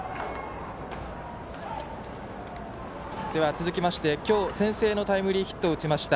続きまして今日、先制のタイムリーヒットを打ちました